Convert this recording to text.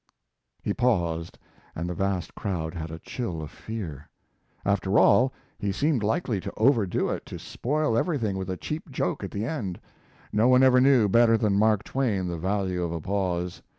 He paused, and the vast crowd had a chill of fear. After all, he seemed likely to overdo it to spoil everything with a cheap joke at the end. No one ever knew better than Mark Twain the value of a pause.